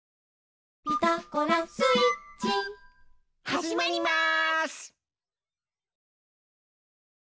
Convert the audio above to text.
はじまります！